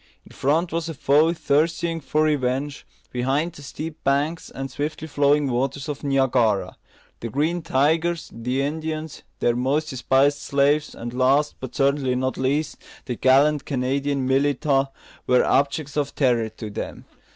In front was a foe thirsting for revenge; behind, the steep banks and swiftly flowing waters of Niagara. The "Green Tigers," the Indians, their most despised slaves, and last, but certainly not least, the gallant Canadian militia, were objects of terror to them.